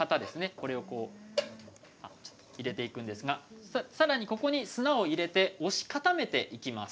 これを入れていくんですがさらにここに砂を入れて押し固めていきます。